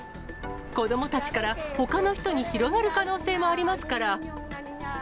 子どもたちからほかの人に広がる可能性もありますから。